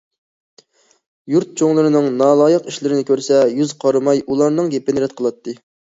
يۇرت چوڭلىرىنىڭ نالايىق ئىشلىرىنى كۆرسە يۈز قارىماي ئۇلارنىڭ گېپىنى رەت قىلاتتى.